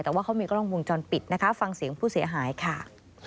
แต่ว่าเขามีกล้องวงจรปิดนะคะฟังเสียงผู้เสียหายค่ะ